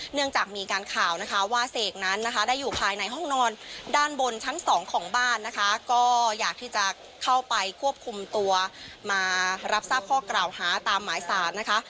เนื่องจากมีการข่าวนะคะว่าเสกนั้นนะคะได้อยู่ภายในห้องนอนด้านบนชั้นสองของบ้านนะคะก็อยากที่จะเข้าไปควบคุมตัวมารับทราบข้อกล่าวหาตามหมายสารนะคะ